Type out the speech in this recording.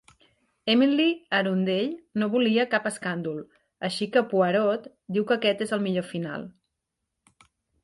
Emily Arundell no volia cap escàndol, així que Poirot diu que aquest és el millor final.